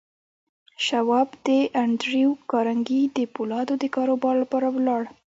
شواب د انډریو کارنګي د پولادو د کاروبار لپاره ولاړ